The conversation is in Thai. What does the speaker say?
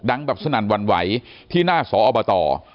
แบบสนั่นหวั่นไหวที่หน้าสอบต